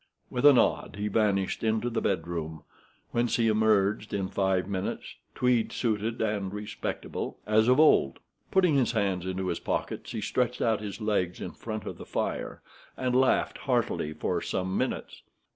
With a nod he vanished into the bedroom, whence he emerged in five minutes tweed suited and respectable, as of old. Putting his hands into his pockets, he stretched out his legs in front of the fire, and laughed heartily for some minutes.